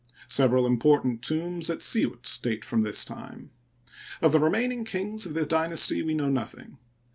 Several important tombs at Siut date from this time. Of the remaining kings of the dynasty we know nothing.